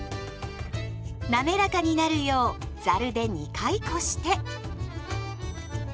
なめらかになるようざるで２回こして。